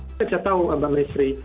kita bisa tahu mbak mesri